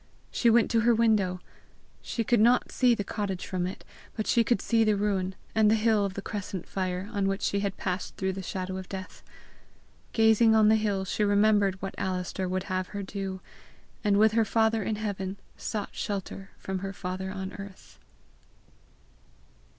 She went to her window. She could not see the cottage from it, but she could see the ruin, and the hill of the crescent fire, on which she had passed through the shadow of death. Gazing on the hill she remembered what Alister would have her do, and with her Father in heaven sought shelter from her father on earth.